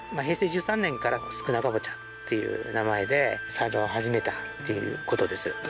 平成１３年から宿儺かぼちゃっていう名前で栽培を始めたっていうことです